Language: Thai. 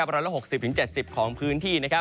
ร้อยละ๖๐๗๐ของพื้นที่